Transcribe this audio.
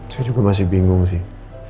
saya juga masih bingung sih